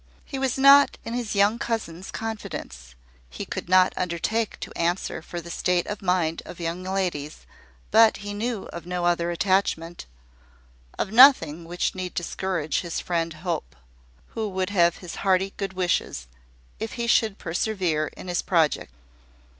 He was not in his young cousin's confidence: he could not undertake to answer for the state of mind of young ladies; but he knew of no other attachment, of nothing which need discourage his friend Hope, who would have his hearty good wishes if he should persevere in his project.